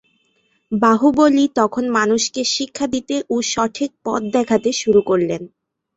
বাহুবলী তখন মানুষকে শিক্ষা দিতে ও সঠিক পথ দেখাতে শুরু করলেন।